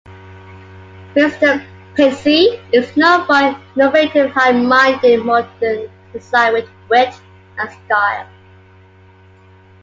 Mr. Pesce is known for innovative high-minded modern design with wit and style.